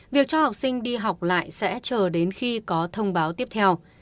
việc cho học sinh đi học lại sẽ chờ đến khi có thông báo tiếp theo